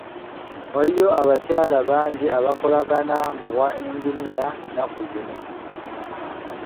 Waliyo abakyala bangi abakolagana mu bwa yinginiya nnaku zino.